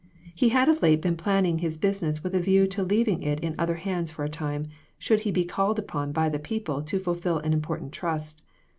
He had of late been planning his business with a view tc leaving it in other hands for a time, should he be called upon by the people to fulfill an important trust.